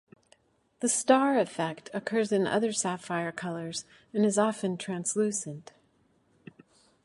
The star effect occurs in other sapphire colours and is often translucent.